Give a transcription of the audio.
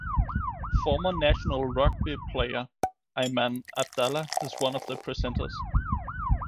Former national rugby player Aiman Abdallah is one of the presenters.